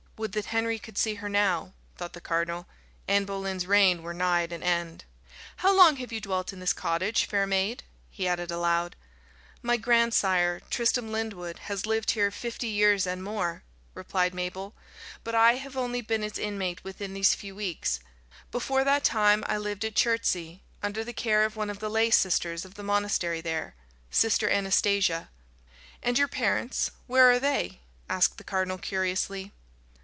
"Would that Henry could see her now!" thought the cardinal, "Anne Boleyn's reign were nigh at an end. How long have you dwelt in this cottage, fair maid?" he added aloud. "My grandsire, Tristram Lyndwood, has lived here fifty years and more," replied Mabel, "but I have only been its inmate within these few weeks. Before that time I lived at Chertsey, under the care of one of the lay sisters of the monastery there Sister Anastasia." "And your parents where are they?" asked the cardinal curiously.